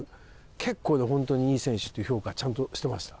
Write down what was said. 結構ね本当にいい選手っていう評価ちゃんとしてました。